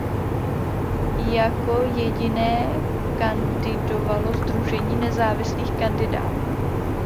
Jako jediné kandidovalo sdružení nezávislých kandidátů.